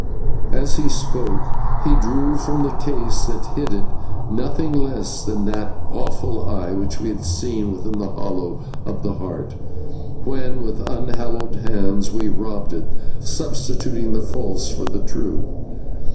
As he spoke he drew from the case that hid it nothing less than that awful Eye which we had seen within the hollow of the Heart, when with unhallowed hands we robbed it, substituting the false for the true.